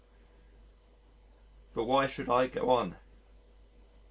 But why should I go on?